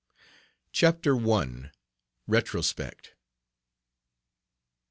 CHAPTER I. RETROSPECT.